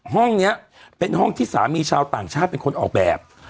ห้องนี้เป็นห้องที่สามีชาวต่างชาติเป็นคนออกแบบ